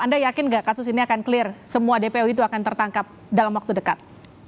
anda yakin nggak kasus ini akan clear semua dpo itu akan tertangkap dalam waktu dekat